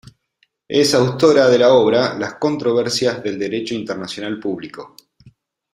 Es autora de la obra: ""Las Controversias en el Derecho Internacional Público"".